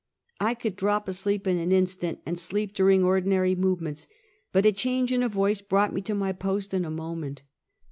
I could drop asleep in an instant, and sleep during ordinary movements; but a change in a voice brought me to my post in a moment.